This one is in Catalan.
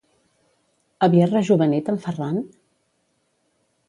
Havia rejovenit en Ferran?